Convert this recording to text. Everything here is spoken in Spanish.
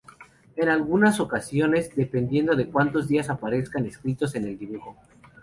En algunas ocasiones dependiendo de cuántos días aparezcan escritos en el dibujo.